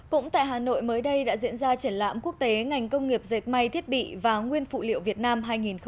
cũng tại hà nội mới đây đã diễn ra triển lãm quốc tế ngành công nghiệp dệt may thiết bị và nguyên phụ liệu việt nam hai nghìn hai mươi